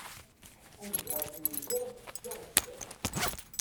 Amgerḍ n umdeɣ d aɣezzfan.